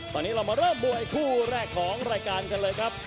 แล้วมาเริ่มมวยคู่แรกของรายการกันเลยครับ